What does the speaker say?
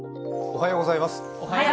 おはようございます。